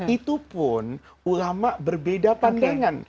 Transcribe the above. itu pun ulama berbeda pandangan